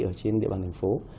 ở trên địa bàn thành phố